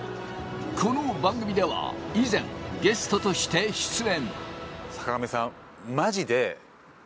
この番組では以前、ゲストとして出演。